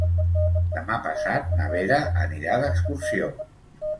Demà passat na Vera anirà d'excursió.